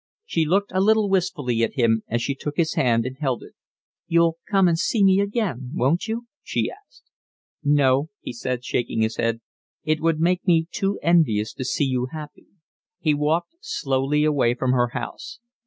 She looked a little wistfully at him as she took his hand and held it. "You'll come and see me again, won't you?" she asked. "No," he said, shaking his head. "It would make me too envious to see you happy." He walked slowly away from her house.